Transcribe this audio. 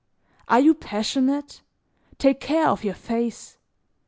Are you passionate? Take care of your face.